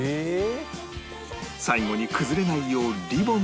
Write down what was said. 最後に崩れないようリボンで結べば